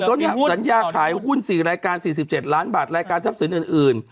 ก็มีสัญญาขายหุ้นสี่รายการสี่สิบเจ็ดล้านบาทรายการทรัพย์สินอื่นอื่น